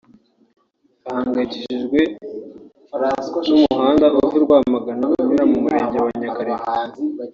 bahangayikishijwe n’umuhanda uva i Rwamagana unyura mu Murenge wa Nyakariro